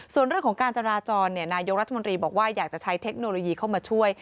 ส่วนเรื่องของการจราจรนายกรัฐมนตรีบอกว่าอยากจะใช้เทคโนโลยีเข้ามาช่วย